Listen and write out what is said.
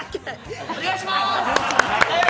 お願いします！